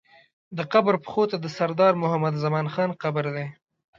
د قبر پښو ته د سردار محمد زمان خان قبر دی.